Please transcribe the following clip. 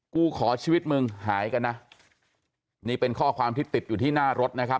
กูขอชีวิตมึงหายกันนะนี่เป็นข้อความที่ติดอยู่ที่หน้ารถนะครับ